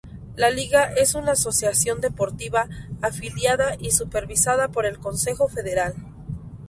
La Liga es una asociación deportiva afiliada y supervisada por el Concejo Federal.